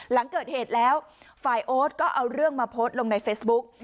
หลังเกิดเหตุแล้วฝ่ายโอ๊ตก็เอาเรื่องมาโพสต์ลงในเฟซบุ๊ก